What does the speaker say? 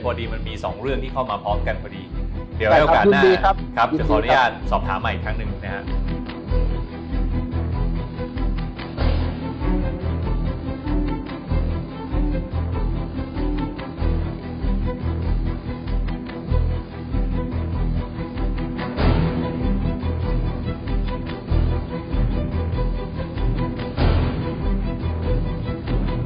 พอดีมันมีสองเรื่องที่เข้ามาพร้อมกันพอดีเดี๋ยวให้โอกาสหน้าครับจะขออนุญาตสอบถามใหม่อีกครั้งหนึ่งนะครับ